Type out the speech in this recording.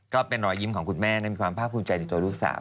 ก็เป็นรอยยิ้มของคุณแม่มีความภาคภูมิใจในตัวลูกสาว